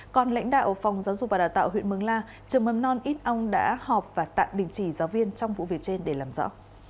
còn lãnh đạo phòng giáo dục và đào tạo huyện mường la trường mầm non ít âu đã họp và tạm đình chỉ giáo viên trong vụ việc trên để làm rõ